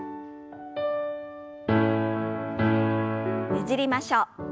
ねじりましょう。